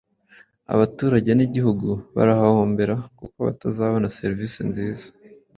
abaturage n’igihugu barahahombera, kuko batabona serivisi nziza,